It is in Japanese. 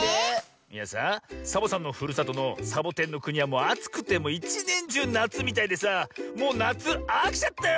いやさサボさんのふるさとのサボテンのくにはもうあつくていちねんじゅうなつみたいでさもうなつあきちゃったよ。